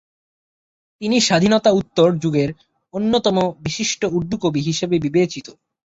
তিনি স্বাধীনতা-উত্তর যুগের অন্যতম বিশিষ্ট উর্দু কবি হিসাবে বিবেচিত।